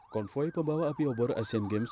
konvoy pembawa api obor asian games